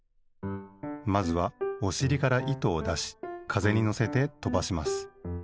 まずはおしりから糸をだしかぜにのせてとばします。